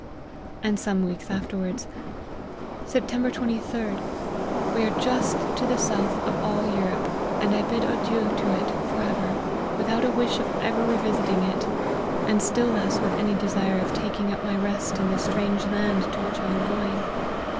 And some weeks afterwards :" Sept. 23. We are just to the south of all Eu rope, and I bid adieu to it for ever, without *a wish of ever revisiting it, and still less with any desire of taking up my rest in the strange land to which I am going.